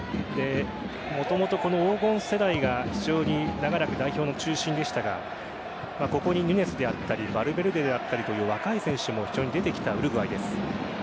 もともと黄金世代が非常に長らく代表の中心でしたがここにヌニェスであったりヴァルヴェルデであったりという若い選手も非常に出てきたウルグアイです。